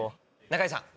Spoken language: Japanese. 中居さん。